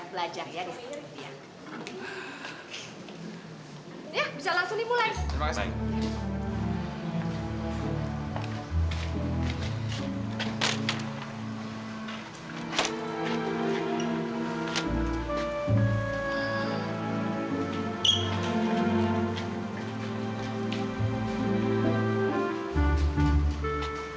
kalian bisa banyak belajar ya di sini